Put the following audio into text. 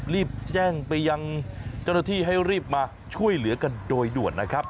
รีบแจ้งไปยังเจ้าหน้าที่ให้รีบมาช่วยเหลือกันโดยด่วนนะครับ